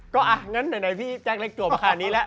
ก็อะอย่างนั้นเจ๊กเล็กตัวมาถ่านี่นี่ละ